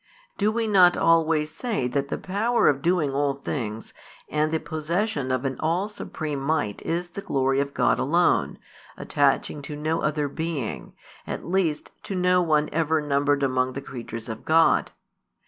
Do we not always say that the power |266 of doing all things and the possession of an all supreme might is the glory of God alone, attaching to no other being, at least to no one ever numbered among the creatures of God?